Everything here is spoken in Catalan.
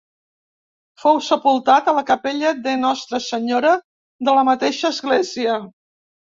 Fou sepultat a la capella de Nostra Senyora de la mateixa església.